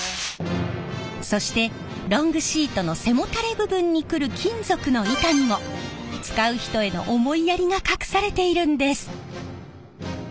そしてロングシートの背もたれ部分にくる金属の板にも使う人への思いやりが隠されているんです。